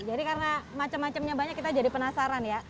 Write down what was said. karena macam macamnya banyak kita jadi penasaran ya